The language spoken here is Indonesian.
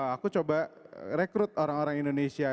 aku coba rekrut orang orang indonesia